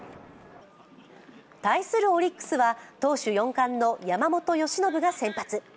対するオリックスは投手四冠の山本由伸が先発。